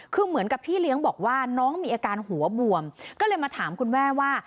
คือเหมือนกับพี่เลี้ยงบอกว่าน้องมีอาการหัวบวมก็เลยมาถามคุณแม่ว่า